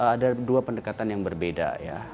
ada dua pendekatan yang berbeda ya